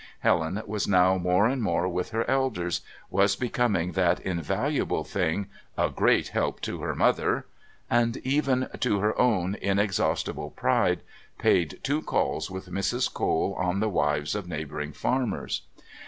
Helen was now more and more with her elders, was becoming that invaluable thing, "a great help to her mother," and even, to her own inexhaustible pride, paid two calls with Mrs. Cole on the wives of neighbouring farmers.